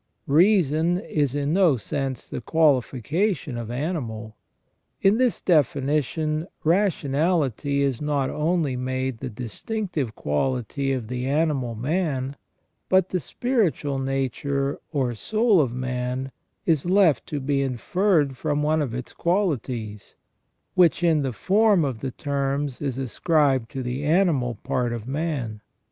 Reason is in no sense the qualification of animal. In this definition rationality is not only made the dis tinctive quality of the animal man, but the spiritual nature or soul of man is left to be inferred from one of its qualities, which in the form of the terms is ascribed to the animal part of man.